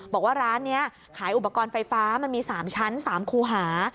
บอกว่าร้านนี้ขายอุปกรณ์ไฟฟ้ามันมี๓ชั้น๓คูหา